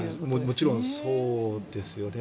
もちろんそうですよね。